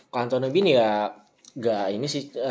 kalau anthony bean ya gak ini sih